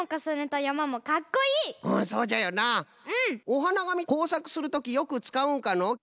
おはながみこうさくするときよくつかうんかの？